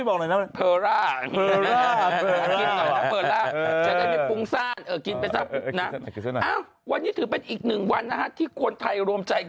วันนี้ถึงเป็นอีกหนึ่งวันที่ควรไทยรวมใจ